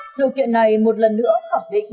sự kiện này một lần nữa khẳng định